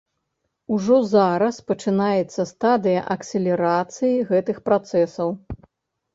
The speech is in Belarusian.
Ужо зараз пачынаецца стадыя акселерацыі гэтых працэсаў.